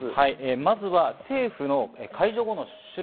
まずは政府の解除後の種類。